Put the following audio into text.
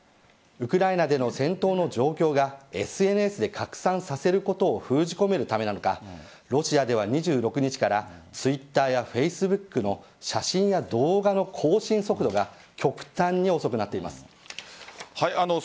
ウクライナでの戦闘の状況がＳＮＳで拡散させることを封じ込めることなのかロシアでは２６日からＴｗｉｔｔｅｒやＦａｃｅｂｏｏｋの写真や動画の更新速度が極端に遅くなっています。